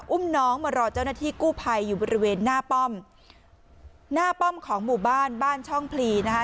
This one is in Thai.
อุ้มน้องมารอเจ้าหน้าที่กู้ภัยอยู่บริเวณหน้าป้อมหน้าป้อมของหมู่บ้านบ้านช่องพลีนะคะ